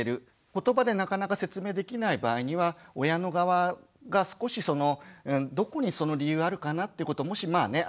ことばでなかなか説明できない場合には親の側が少しそのどこにその理由あるかなってこともしまあね